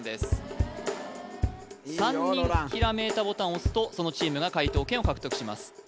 ボタンを押すとそのチームが解答権を獲得します